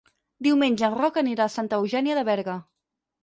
Diumenge en Roc anirà a Santa Eugènia de Berga.